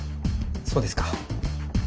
そうですか。